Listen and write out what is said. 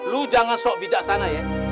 lu jangan sok bijaksana ya